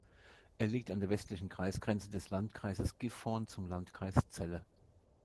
Er liegt an der westlichen Kreisgrenze des Landkreises Gifhorn zum Landkreis Celle.